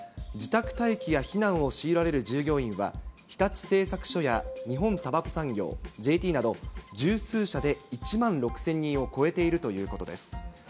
自宅待機や避難を強いられる従業員は、日立製作所や日本たばこ産業、ＪＴなど十数社で１万６０００人を超えているということです。